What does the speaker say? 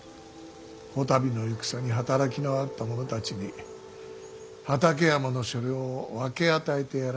こたびの戦に働きのあった者たちに畠山の所領を分け与えてやらねえとな。